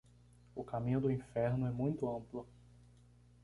O caminho do inferno é muito amplo.